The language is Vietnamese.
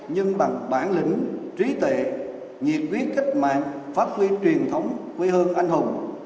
nhưng bằng bản lĩnh trí tệ nhiệt quyết cách mạng phát huy truyền thống quê hương anh hùng